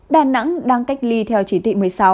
đà nẵng đang cách ly theo chỉ thị một mươi sáu